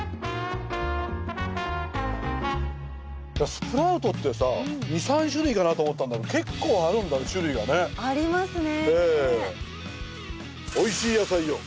スプラウトってさ２３種類かなと思ったんだけど結構あるんだね種類がね。ありますね。